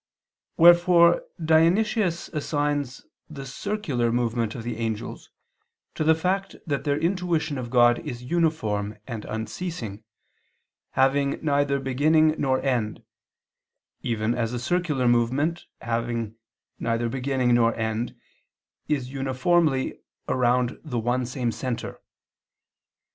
Wherefore Dionysius assigns the "circular" movement of the angels to the fact that their intuition of God is uniform and unceasing, having neither beginning nor end: even as a circular movement having neither beginning nor end is uniformly around the one same center.